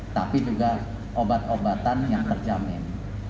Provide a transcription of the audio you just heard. tapi juga obat obatan yang terjamin